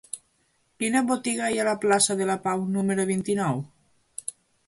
Quina botiga hi ha a la plaça de la Pau número vint-i-nou?